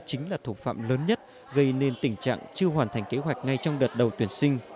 chính là thủ phạm lớn nhất gây nên tình trạng chưa hoàn thành kế hoạch ngay trong đợt đầu tuyển sinh